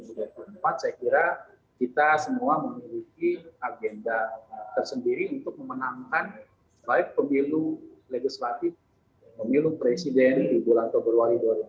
saya kira kita semua memiliki agenda tersendiri untuk memenangkan baik pemilu legislatif pemilu presiden di bulan februari dua ribu sembilan belas